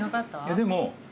でも。